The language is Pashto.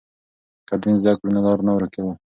که دین زده کړو نو لار نه ورکوو.